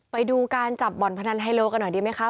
ไปดูการจับบ่อนพนันไฮโลกันหน่อยดีไหมคะ